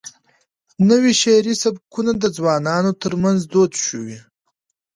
نوي شعري سبکونه د ځوانانو ترمنځ دود شوي.